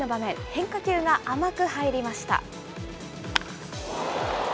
変化球が甘く入りました。